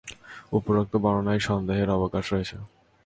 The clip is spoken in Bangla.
উপরোক্ত বর্ণনায় সন্দেহের অবকাশ রয়েছে।